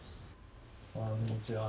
こんにちは。